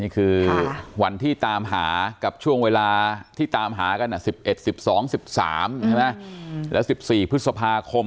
คือวันที่ตามหากับช่วงเวลาที่ตามหากัน๑๑๑๒๑๓ใช่ไหมแล้ว๑๔พฤษภาคม